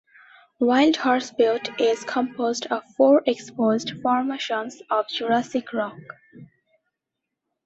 Wild Horse Butte is composed of four exposed formations of Jurassic rock.